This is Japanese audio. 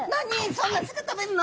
そんなすぐ食べんの？